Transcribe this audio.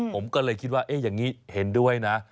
ผมก็เลยคิดว่าอย่างนี้เห็นด้วยนะ